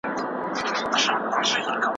ایا د انټرنیټ کارول درته اسانه دي؟